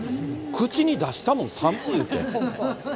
口に出したもん、寒いって。